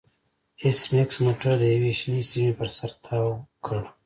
ایس میکس موټر د یوې شنې سیمې پر سر تاو کړ